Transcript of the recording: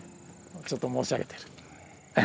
ちょっと申し上げてる。